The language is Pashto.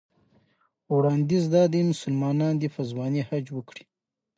وړاندیز دا دی مسلمان دې په ځوانۍ حج وکړي.